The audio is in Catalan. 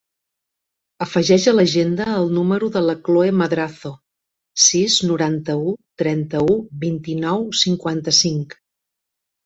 Afegeix a l'agenda el número de la Chloe Madrazo: sis, noranta-u, trenta-u, vint-i-nou, cinquanta-cinc.